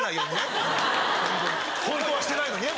ホントはしてないのにね